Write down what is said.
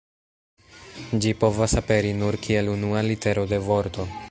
Ĝi povas aperi nur kiel unua litero de vorto.